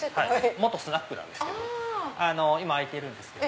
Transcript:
元スナックなんです今空いてるんですけど。